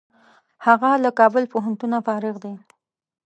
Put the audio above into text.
هغه له کابل پوهنتونه فارغ دی.